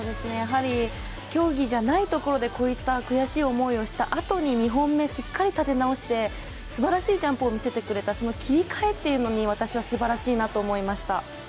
やはり競技じゃないところで、こういった悔しい思いをしたあとに２本目しっかり立て直してすばらしいジャンプを見せてくれた、その切り替えがすばらしいにあと思いました。